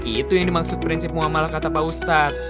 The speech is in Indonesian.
itu yang dimaksud prinsip muamalah kata pak ustadz